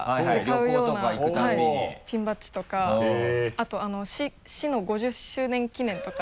あと市の５０周年記念とか。